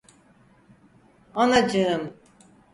Anacığım!